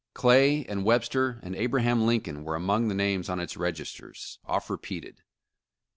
Clay and Webster and Abraham Lincoln were among the names on its registers, oft repeated.